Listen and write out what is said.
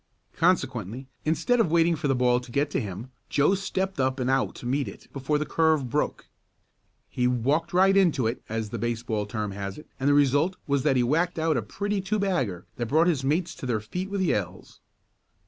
Consequently, instead of waiting for the ball to get to him Joe stepped up and out to meet it before the curve "broke." He "walked right into it," as the baseball term has it, and the result was that he whacked out a pretty two bagger that brought his mates to their feet with yells.